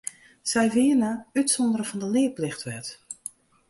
Sy wienen útsûndere fan de learplichtwet.